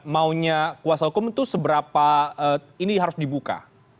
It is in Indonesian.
maunya kuasa hukum itu seberapa ini harus dibuka